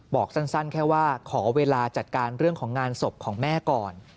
บอกสั้นแค่ว่าขอเวลาจัดการเรื่องของงานศพของแม่ก่อน